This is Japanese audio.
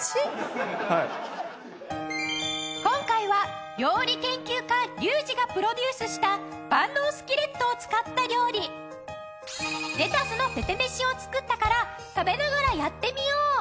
今回は料理研究家リュウジがプロデュースした万能スキレットを使った料理レタスのぺぺ飯を作ったから食べながらやってみよう。